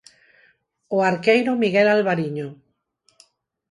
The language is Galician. O arqueiro Miguel Alvariño.